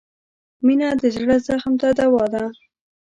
• مینه د زړه زخم ته دوا ده.